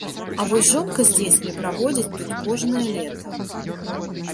А вось жонка з дзецьмі праводзяць тут кожнае лета.